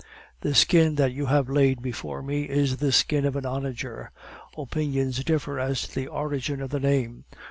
The skin that you have laid before me is the skin of an onager. Opinions differ as to the origin of the name.